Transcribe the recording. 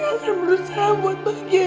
alhamdulillah anak mama